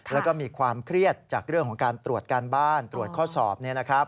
แล้วก็มีความเครียดจากเรื่องของการตรวจการบ้านตรวจข้อสอบ